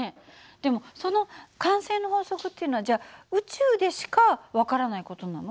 でもその慣性の法則っていうのはじゃあ宇宙でしか分からない事なの？